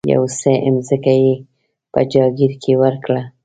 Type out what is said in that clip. یو څه مځکه یې په جاګیر کې ورکړه.